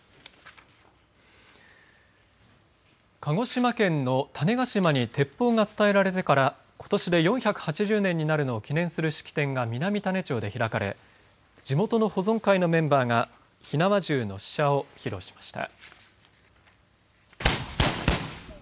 鹿児島県の種子島に鉄砲が伝えられてからことしで４８０年になるのを記念する式典が南種子町で開かれ地元の保存会のメンバーが火縄銃の試射を披露しました。